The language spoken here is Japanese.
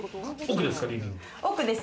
奥です。